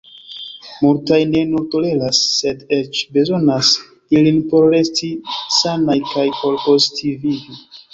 Multaj ne nur toleras, sed eĉ bezonas ilin por resti sanaj kaj por postvivi.